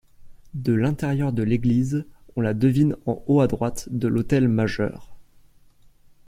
De l'intérieur de l'église, on la devine en haut à droite de l'autel majeur.